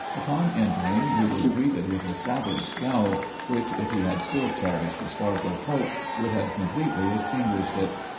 Upon entering, he was greeted with a savage scowl, which, if he had still cherished a spark of hope, would have completely extinguished it.